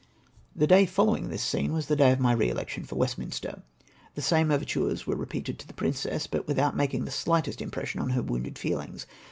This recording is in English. The day following this scene was the day of my re election for Westminster. The same overtures were repeated to the princess, but without making the shght est impression on her wounded feehngs.